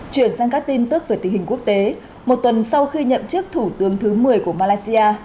chuyển sang các tin tức về tình hình quốc tế một tuần sau khi nhậm chức thủ tướng thứ một mươi của malaysia